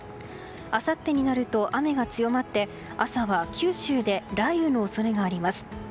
あさってになると雨が強まって朝は九州で雷雨の恐れがあります。